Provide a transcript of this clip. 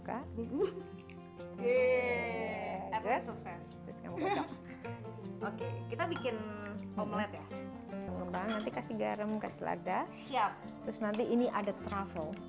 oke kita bikin omelet ya pengembang nanti kasih garam kasih lada siap terus nanti ini ada travel